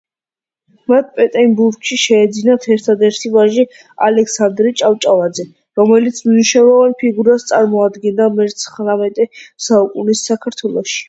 მათ პეტერბურგში შეეძინათ ერთადერთი ვაჟი ალექსანდრე ჭავჭავაძე, რომელიც მნიშვნელოვან ფიგურას წარმოადგენდა მეცხრამეტე საუკუნის საქართველოში.